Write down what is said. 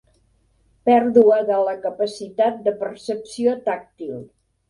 Pèrdua de la capacitat de percepció tàctil.